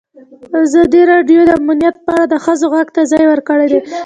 ازادي راډیو د امنیت په اړه د ښځو غږ ته ځای ورکړی.